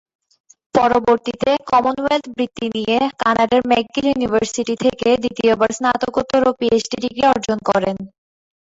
পরবর্তীতে কমনওয়েলথ বৃত্তি নিয়ে কানাডার ম্যাকগিল ইউনিভার্সিটি থেকে দ্বিতীয়বার স্নাতকোত্তর ও পিএইচডি ডিগ্রি অর্জন করেন।